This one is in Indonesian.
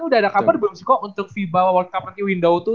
udah ada kabar belum sih kok untuk vibawa world cup rally window dua tuh